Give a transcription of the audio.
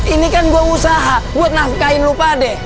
ini kan gue usaha buat nafkahin lu pade